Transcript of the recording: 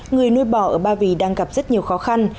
người nuôi bò ở ba vì đang gặp rất nhiều khó khăn